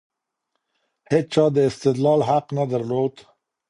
هيچا د استدلال حق نه درلود.